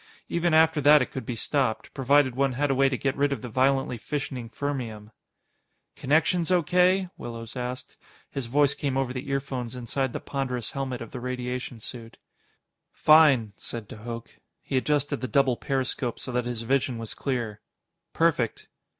Even after that it could be stopped, provided one had a way to get rid of the violently fissioning fermium. "Connections O.K.?" Willows asked. His voice came over the earphones inside the ponderous helmet of the radiation suit. "Fine," said de Hooch. He adjusted the double periscope so that his vision was clear. "Perfect."